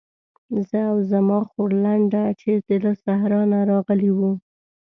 زه او زما خورلنډه چې له صحرا نه راغلې وو.